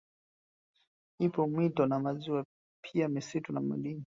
Ipo mito na maziwa pia misitu na madini